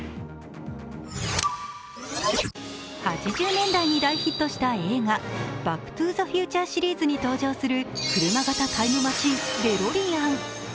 ８０年代に大ヒットした映画「バック・トゥ・ザ・フューチャー」シリーズに登場する登場する車型タイムマシンデロリアン。